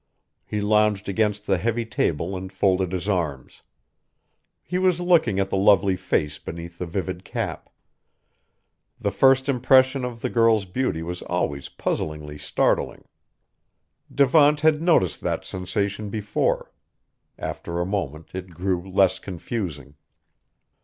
He lounged against the heavy table and folded his arms. He was looking at the lovely face beneath the vivid cap. The first impression of the girl's beauty was always puzzlingly startling. Devant had noticed that sensation before; after a moment it grew less confusing.